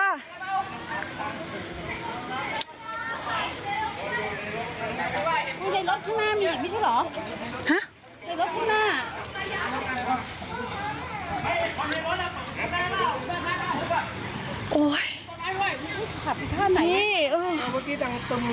ในรถข้างหน้ามีอีกไม่ใช่เหรอฮะในรถข้างหน้าอ่ะ